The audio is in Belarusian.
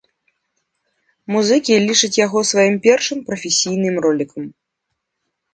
Музыкі лічаць яго сваім першым прафесійным ролікам.